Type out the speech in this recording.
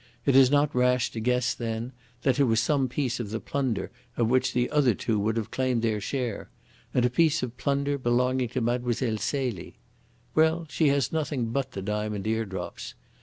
It is not rash to guess, then, that it was some piece of the plunder of which the other two would have claimed their share and a piece of plunder belonging to Mlle. Celie. Well, she has nothing but the diamond eardrops.